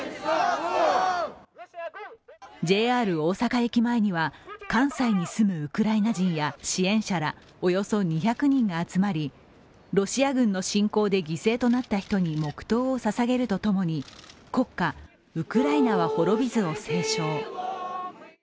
ＪＲ大阪駅前には関西に住むウクライナ人や支援者らおよそ２００人が集まりロシア軍の侵攻で犠牲となった人に黙とうをささげると共に国歌「ウクライナは滅びず」を斉唱。